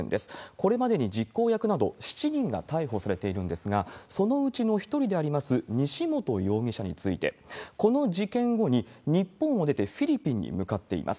これまでに実行役など７人が逮捕されているんですが、そのうちの１人であります西本容疑者について、この事件後に日本を出て、フィリピンに向かっています。